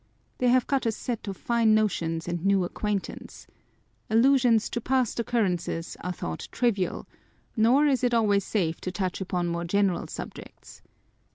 They have got a set of fine notions and new acquaintance. Allusions to past occurrences are thought trivial, nor is it always safe to touch upon more general subjects.